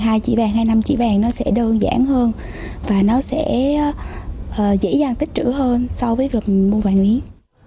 hai chỉ vàng hai năm chỉ vàng nó sẽ đơn giản hơn và nó sẽ dễ dàng tích trữ hơn so với mua vàng nhuyến